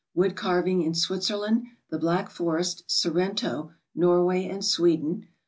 Wood carving, in Switzerland, the Black Forest, Sor rento, Norway and Sweden.